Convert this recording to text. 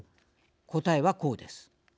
答えは、こうです。